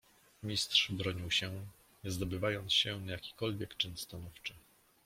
"Mistrz bronił się, nie zdobywając się na jakikolwiek czyn stanowczy."